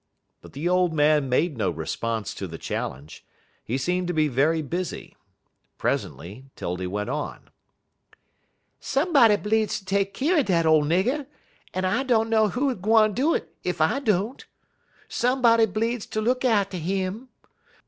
But the old man made no response to the challenge. He seemed to be very busy. Presently 'Tildy went on: "Somebody bleedz to take keer er dat ole nigger, en I dunner who gwine ter do it ef I don't. Somebody bleedz ter look atter 'im.